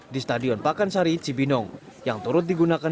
di stadion pakansari cibinong yang turut digunakan